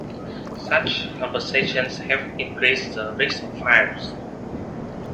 Such conversions have increased the risk of fires.